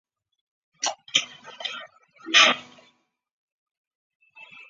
清朝末年是有位唐山老师父二人共同传授宋江鹿阵及太祖拳。